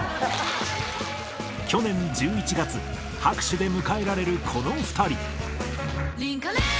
去年１１月、拍手で迎えられるこの２人。